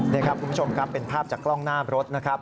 นี่ครับคุณผู้ชมครับเป็นภาพจากกล้องหน้ารถนะครับ